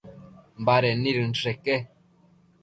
Baded nid inchësheque